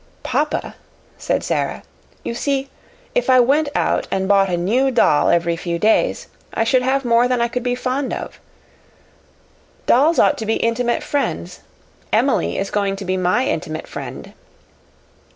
"Papa," said Sara, "you see, if I went out and bought a new doll every few days I should have more than I could be fond of. Dolls ought to be intimate friends. Emily is going to be my intimate friend."